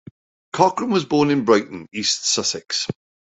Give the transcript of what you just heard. Cochrane was born in Brighton, East Sussex.